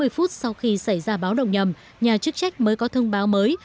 sáu mươi phút sau khi xảy ra báo động nhầm nhà chức trách mới có thông báo mới